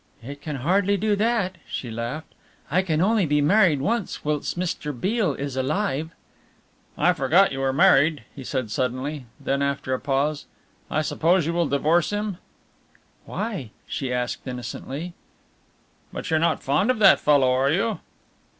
"It can hardly do that," she laughed, "I can only be married once whilst Mr. Beale is alive." "I forgot you were married," he said suddenly, then after a pause, "I suppose you will divorce him?" "Why?" she asked innocently. "But you're not fond of that fellow, are you?"